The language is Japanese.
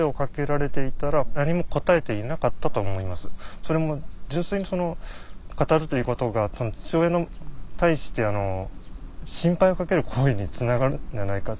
それも純粋に語るということが父親に対して心配を掛ける行為につながるんじゃないかって。